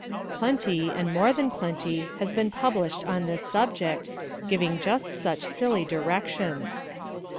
Plenty, and more than plenty, has been published on this subject, giving just such silly directions.